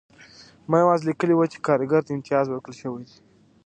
ما یوازې لیکلي وو چې کارګر ته امتیاز ورکړل شوی دی